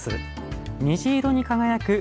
虹色に輝く螺鈿。